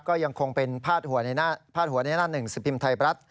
ก็ยังคงเป็นพาดหัวพาดหัวในหน้าหนึ่งสิบพิมพ์ไทยรัฐ